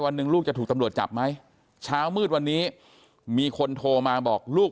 หนึ่งลูกจะถูกตำรวจจับไหมเช้ามืดวันนี้มีคนโทรมาบอกลูก